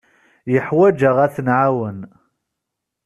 Yeḥwaj-aɣ ad t-nɛawen.